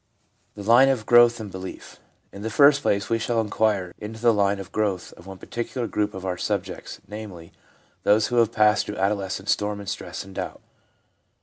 The Line of Growth in Belief. In the first place, we shall inquire into the line of growth of one particular group of our subjects, namely, those who have passed through adolescent storm and stress and doubt.